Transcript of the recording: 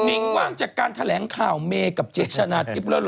ิ้งว่างจากการแถลงข่าวเมย์กับเจ๊ชนะทิพย์แล้วเหรอ